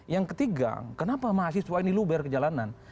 yang ketiga kenapa mahasiswa ini lu berkejalanan